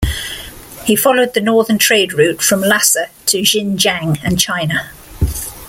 He followed the northern trade route from Lhasa to Xinjiang and China.